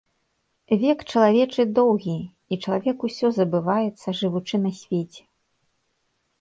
Век чалавечы доўгі, і чалавек усё забываецца, жывучы на свеце.